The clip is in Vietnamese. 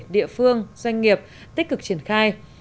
địa phương doanh nghiệp tích cực triển khai